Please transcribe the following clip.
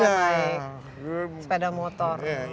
naik sepeda motor